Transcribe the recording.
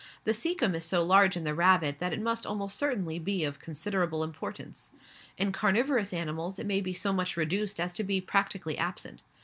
The caecum is so large in the rabbit that it must almost certainly be of considerable importance. In carnivorous animals it may be so much reduced as to be practically absent.